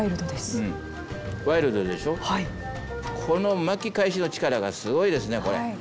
この巻き返しの力がすごいですねこれ。